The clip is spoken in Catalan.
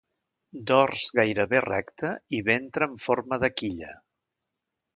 Dors gairebé recte i ventre amb forma de quilla.